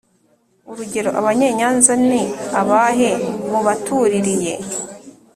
urugero :« abanyenyanza• ni abahe m u/ batu r i r iye